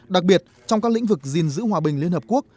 đặc biệt trong các lĩnh vực gìn giữ hòa bình liên hợp quốc